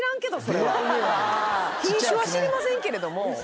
品種は知りませんけれども。